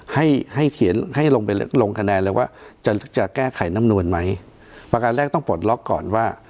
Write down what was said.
ให้ให้เขียนให้ลงไปลงคะแนนเลยว่าจะจะแก้ไขน้ำนวลไหมประการแรกต้องปลดล็อกก่อนว่า